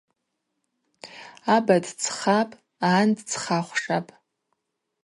Аба дыцхапӏ, ан дыцхахвшапӏ.